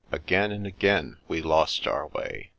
Again and again we lost our way.